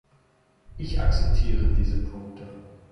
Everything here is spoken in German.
Ich akzeptiere diese Punkte.